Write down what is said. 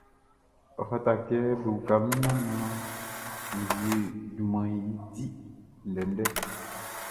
Ɔ fata kɛ be uka min naan mʼan wie junmanʼn i di ndɛndɛ.